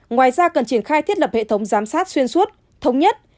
ngoài ra cần triển khai thiết lập hệ thống giám sát xuyên suốt thống nhất